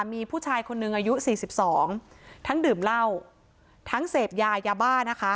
มีผู้ชายคนหนึ่งอายุสี่สิบสองทั้งดื่มเหล้าทั้งเสพยายาบ้านะคะ